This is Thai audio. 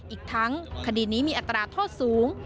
อีกทั้งคดีนี้มีอัตราโทษสูง